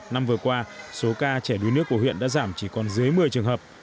năm vừa qua số ca trẻ đuối nước của huyện đã giảm chỉ còn dưới một mươi trường hợp